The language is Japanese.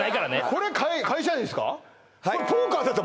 これ会社ですか？